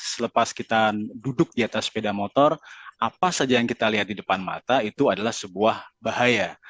selepas kita duduk di atas sepeda motor apa saja yang kita lihat di depan mata itu adalah sebuah bahaya